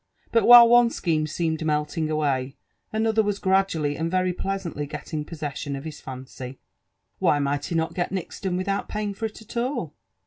jBut while one scheme seemed melting away, another was gradually and very pleasantly getting possession of his fancy. Why might he not get Nixton with out paying for it at all?